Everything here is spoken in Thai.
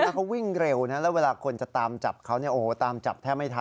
เค้ากลัวผลุ